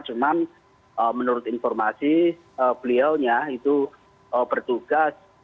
cuma menurut informasi beliau itu bertugas